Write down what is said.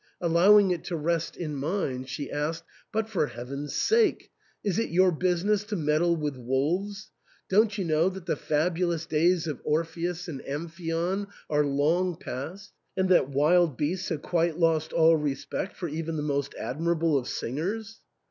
Allowing it to rest, in mine, she asked, " But, for Heaven's sake ! is it your business to meddle with wolves ? Don't you know that the fabu lous days of Orpheus and Amphion are long past, and that wild beasts have quite lost all respect for even the most admirable of singers